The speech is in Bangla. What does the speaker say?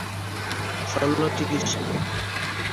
শল্য চিকিৎসা